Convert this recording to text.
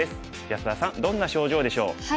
安田さんどんな症状でしょう？